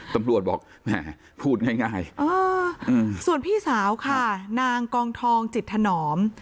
ตำรวจบอกแหมพูดง่ายส่วนพี่สาวค่ะนางกองทองจิตถนอม